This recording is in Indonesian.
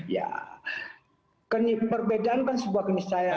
ya perbedaan kan sebuah keniscayaan